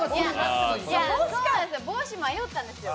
帽子迷ったんです。